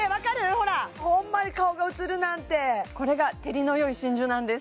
ほらホンマに顔が映るなんてこれが照りの良い真珠なんです